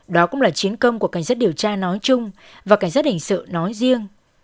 đó cũng là chiến công của cảnh sát điều tra nói chung và cảnh sát hình sự nói riêng